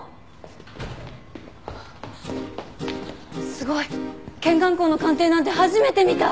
すごい！拳眼痕の鑑定なんて初めて見た。